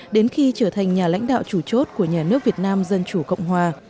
đến khi trở thành nhà lãnh đạo chủ chốt của nhà nước việt nam dân chủ cộng hòa